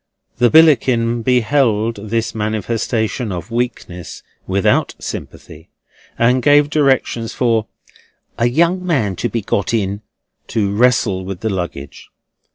The Billickin beheld this manifestation of weakness without sympathy, and gave directions for "a young man to be got in" to wrestle with the luggage.